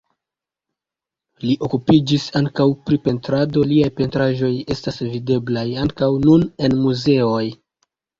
Li okupiĝis ankaŭ pri pentrado, liaj pentraĵoj estas videblaj ankaŭ nun en muzeoj.